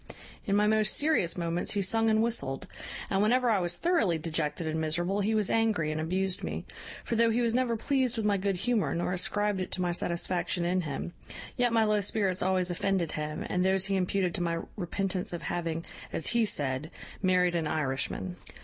In my most serious moments he sung and whistled; and whenever I was thoroughly dejected and miserable he was angry, and abused me: for, though he was never pleased with my good humour, nor ascribed it to my satisfaction in him, yet my low spirits always offended him, and those he imputed to my repentance of having (as he said) married an Irishman.